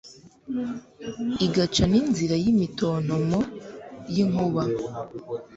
igaca n'inzira y'imitontomo y'inkuba